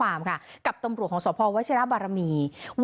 อายุ๖๘ปี